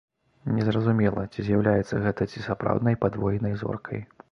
Не зразумела, ці з'яўляецца гэта ці сапраўднай падвойнай зоркай.